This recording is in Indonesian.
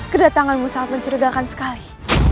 kedatanganmu sangat mencurigakan sekali